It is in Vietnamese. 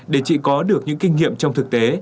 để chị có được những kinh nghiệm trong thực tế